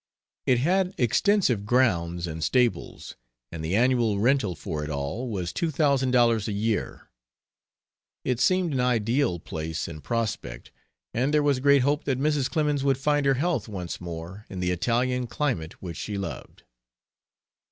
It had extensive grounds and stables, and the annual rental for it all was two thousand dollars a year. It seemed an ideal place, in prospect, and there was great hope that Mrs. Clemens would find her health once more in the Italian climate which she loved.